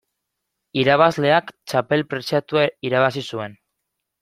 Irabazleak txapel preziatua irabazi zuen.